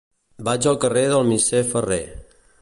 Vaig al carrer del Misser Ferrer.